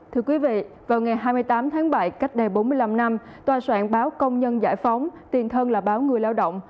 thưa quý vị vào ngày hai mươi tám tháng bảy cách đây bốn mươi năm năm tòa soạn báo công nhân giải phóng tiền thân là báo người lao động